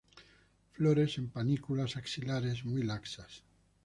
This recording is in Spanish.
Flores en panículas axilares muy laxas.